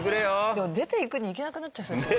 でも出ていくにいけなくなっちゃいそう。